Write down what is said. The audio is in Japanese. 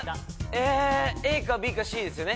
えＡかＢかＣですよね